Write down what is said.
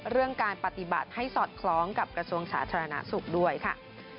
เรื่องการปฏิบัติให้สอดคล้องกับกระทรวงสาธารณสุขด้วยค่ะ